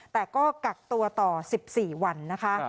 แต่ก็กักตัวต่อ๑๔วันนะคะ